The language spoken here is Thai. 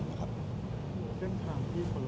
หมอบรรยาหมอบรรยาหมอบรรยา